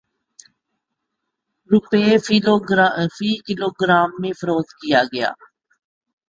روپے فی kilogram میں فروخت کیا گیا